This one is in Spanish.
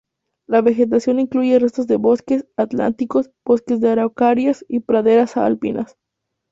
La vegetación incluye restos de bosques atlánticos, bosques de araucarias y praderas alpinas.